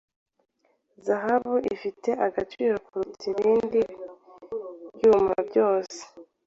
Zahabu ifite agaciro kuruta ibindi byuma byose.